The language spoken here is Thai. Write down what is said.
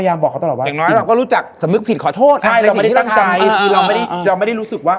ยังไงสิ